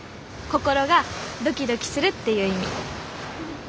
心がドキドキするっていう意味。